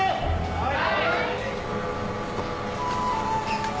はい！